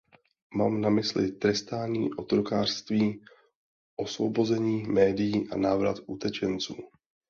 Mám na mysli trestání otrokářství, osvobození médií a návrat utečenců.